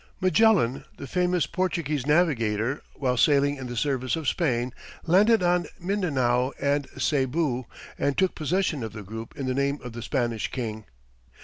Magellan, the famous Portuguese navigator, while sailing in the service of Spain, landed on Mindanao and Cebu, and took possession of the group in the name of the Spanish king.